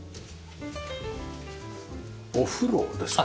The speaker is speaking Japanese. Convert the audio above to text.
お風呂ですか？